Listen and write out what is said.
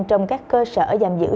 trong các cơ sở giam giữ